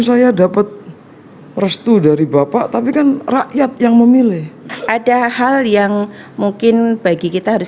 saya dapat restu dari bapak tapi kan rakyat yang memilih ada hal yang mungkin bagi kita harus